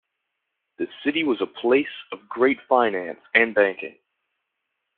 The city was a place of great finance and banking.